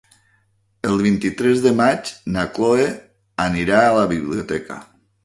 El vint-i-tres de maig na Chloé anirà a la biblioteca.